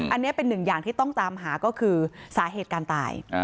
อันนี้เป็นหนึ่งอย่างที่ต้องตามหาก็คือสาเหตุการตาย